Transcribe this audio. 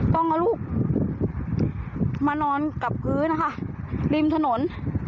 ต้องเอาลูกมานอนกับพื้นนะคะริมถนน